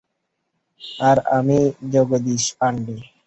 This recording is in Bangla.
আর আমি জগদীশ পান্ডে!